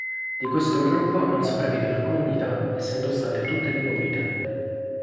Di questo gruppo non sopravvive alcuna unità, essendo state tutte demolite.